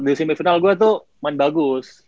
di semi final gue tuh main bagus